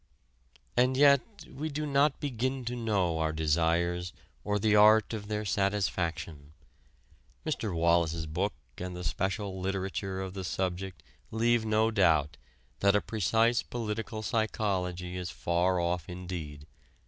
And yet we do not begin to know our desires or the art of their satisfaction. Mr. Wallas's book and the special literature of the subject leave no doubt that a precise political psychology is far off indeed.